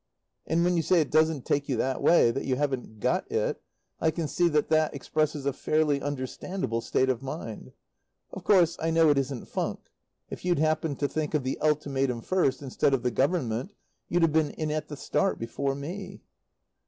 And when you say it doesn't take you that way, that you haven't "got" it, I can see that that expresses a fairly understandable state of mind. Of course, I know it isn't funk. If you'd happened to think of the Ultimatum first, instead of the Government, you'd have been in at the start, before me.